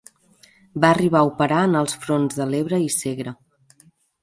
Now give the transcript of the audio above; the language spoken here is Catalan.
Va arribar a operar en els fronts de l'Ebre i Segre.